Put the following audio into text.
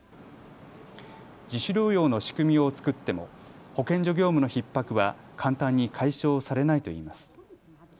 自主療養の仕組みを作っても保健所業務のひっ迫は簡単に解消されないといいます。